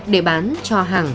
để bán cho hàng